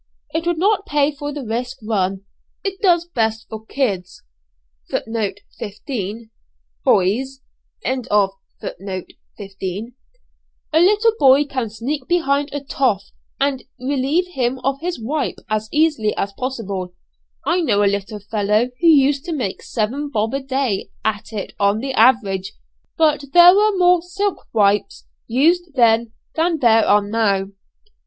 It would not pay for the risk run. It does best for 'kids.' A little boy can sneak behind a 'toff' and relieve him of his 'wipe' as easily as possible. I know a little fellow who used to make seven 'bob' a day at it on the average; but there were more silk 'wipes' used then than there are now."